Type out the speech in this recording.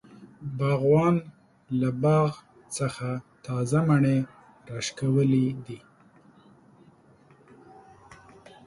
باغوان له باغ څخه تازه مڼی راشکولی دی.